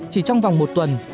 chỉ trong vòng một tuần